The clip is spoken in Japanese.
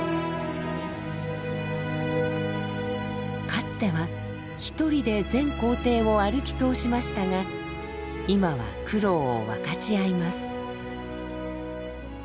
かつては１人で全行程を歩き通しましたが今は苦労を分かち合います。